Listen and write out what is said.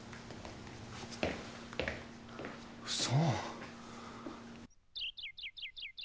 嘘。